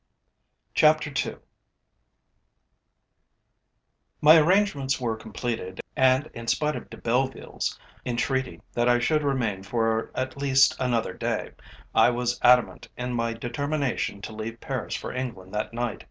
CHAPTER II My arrangements were completed, and in spite of De Belleville's entreaty that I should remain for at least another day, I was adamant in my determination to leave Paris for England that night.